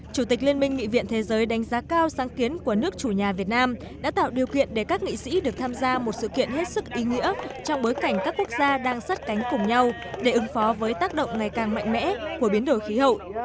chủ tịch liên minh nghị viện thế giới đánh giá cao sáng kiến của nước chủ nhà việt nam đã tạo điều kiện để các nghị sĩ được tham gia một sự kiện hết sức ý nghĩa trong bối cảnh các quốc gia đang sát cánh cùng nhau để ứng phó với tác động ngày càng mạnh mẽ của biến đổi khí hậu